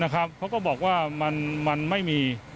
เขาก็บอกว่ามันไม่มี